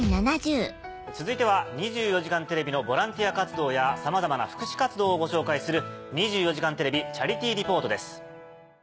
続いては『２４時間テレビ』のボランティア活動やさまざまな福祉活動をご紹介する。